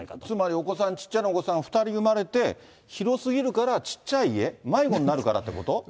つまりお子さん、小っちゃなお子さん２人生まれて、広すぎるからちっちゃい家、迷子になるからってこと？